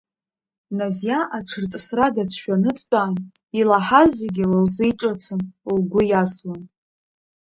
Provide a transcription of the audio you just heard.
Назиа аҽырҵысра дацәшәаны дтәан, илаҳаз зегьы ла лзы иҿыцын, лгәы иасуан.